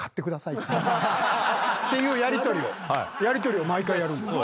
ていうやりとりをやりとりを毎回やるんです。